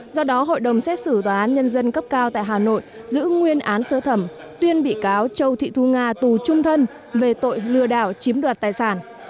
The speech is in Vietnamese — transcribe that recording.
do đó hội đồng xét xử tòa án nhân dân cấp cao tại hà nội giữ nguyên án sơ thẩm tuyên bị cáo châu thị thu nga tù trung thân về tội lừa đảo chiếm đoạt tài sản